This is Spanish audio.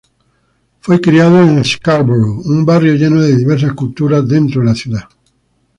Fue criado en Scarborough, un barrio lleno de diversas culturas dentro de la ciudad.